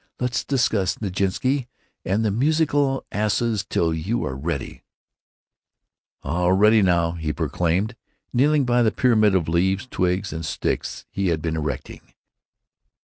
Let's discuss Nijinsky and the musical asses till you are ready——" "All ready now!" he proclaimed, kneeling by the pyramid of leaves, twigs, and sticks he had been erecting.